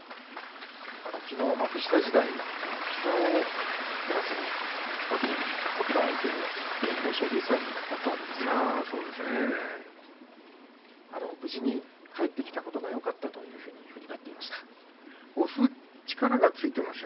きのう、幕下時代膝をけがするときの相手豊昇龍戦だったわけですが無事に帰ってきたことがよかったと振り返っていました。